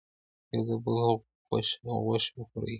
یو د بل غوښې خوري.